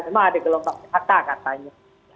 cuma ada kelompok phk katanya